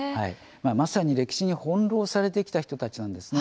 まさに歴史に翻弄されてきた人たちなんですね。